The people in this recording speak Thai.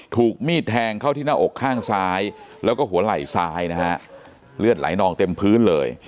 ถูกมีดแทงเข้าที่หน้าอกข้างซ้ายแล้วก็หัวไหล่ซ้ายนะฮะเลือดไหลนองเต็มพื้นเลย